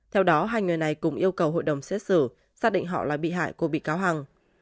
theo đó hai người này cùng yêu cầu hội đồng xét xử xác định họ là bị hại của bị cáo hằng